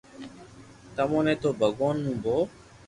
تموني نو ڀگوان مون ڀوھ